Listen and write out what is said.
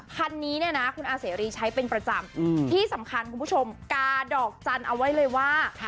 คันนี้เนี่ยนะคุณอาเสรีใช้เป็นประจำที่สำคัญคุณผู้ชมกาดอกจันทร์เอาไว้เลยว่า